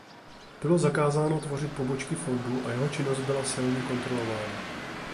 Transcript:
Bylo zakázáno tvořit pobočky fondu a jeho činnost byla silně kontrolována.